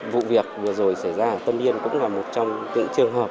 vụ việc vừa rồi xảy ra ở tân yên cũng là một trong những trường hợp